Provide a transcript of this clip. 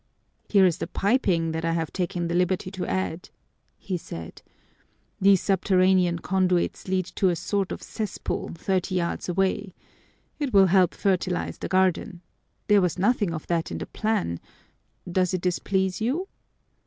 "Here is the piping that I have taken the liberty to add," he said. "These subterranean conduits lead to a sort of cesspool, thirty yards away. It will help fertilize the garden. There was nothing of that in the plan. Does it displease you?"